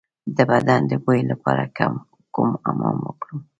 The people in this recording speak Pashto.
د بدن د بوی لپاره کوم حمام وکړم؟